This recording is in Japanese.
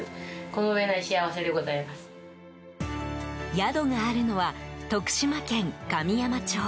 宿があるのは徳島県神山町。